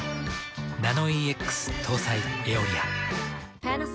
ナノイーＸ搭載「エオリア」。